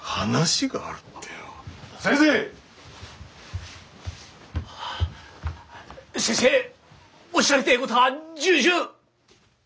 先生おっしゃりてえことは重々！